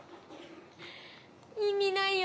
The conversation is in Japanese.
意味ないよ